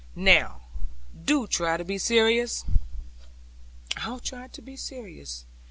Now do try to be serious.' 'I try to be serious!